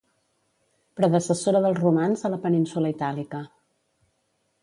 Predecessora dels romans a la península itàlica.